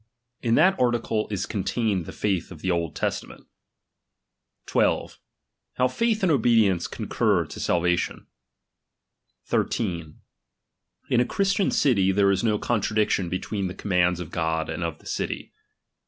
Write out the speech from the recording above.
In that article is contained the faith of the Old Testament. 12. How faith and obedience concur to salvation. 13 In a Christian city, there is no con tradiction between the commands of God and of the city.